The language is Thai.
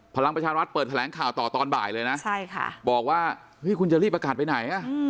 พลังประชารัฐเปิดแถลงข่าวต่อตอนบ่ายเลยนะบอกว่าเฮ้ยคุณจะรีบประกาศไปไหน